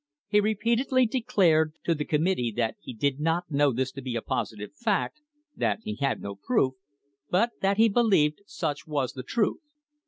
He repeatedly declared to the com mittee that he did not know this to be a positive fact, that he had no proof, but that he believed such was the truth.